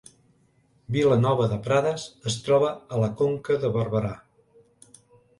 Vilanova de Prades es troba a la Conca de Barberà